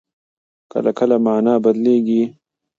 کله کله مانا بدلېږي.